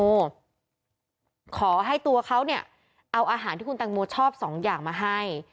โอ้โหขอให้ตัวเขาเนี่ยเอาอาหารที่คุณตังโมชอบสองอย่างมาให้